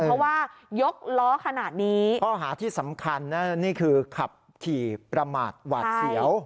เพราะว่ายกล้อขนาดนี้ข้อหาที่สำคัญนะนี่คือขับขี่ประมาทหวาดเสียว